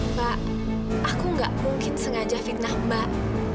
pak aku gak mungkin sengaja fitnah mbak